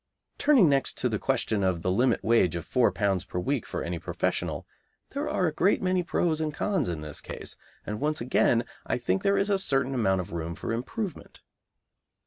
Turning next to the question of the limit wage of £4 per week for any professional, there are a great many pros and cons in this case, and once again I think there is a certain amount of room for improvement.